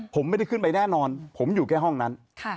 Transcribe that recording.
ผมไม่ได้ขึ้นไปแน่นอนผมอยู่แค่ห้องนั้น